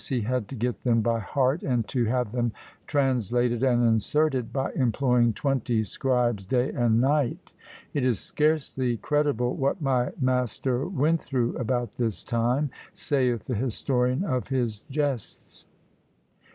he had to get them by heart, and to have them translated and inserted, by employing twenty scribes day and night. "It is scarcely credible what my master went through about this time," saith the historian of his "gestes."